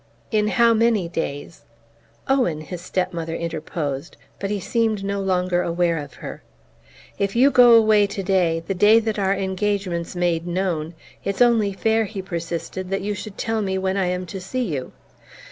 "In how many days?" "Owen!" his step mother interposed; but he seemed no longer aware of her. "If you go away today, the day that our engagement's made known, it's only fair," he persisted, "that you should tell me when I am to see you."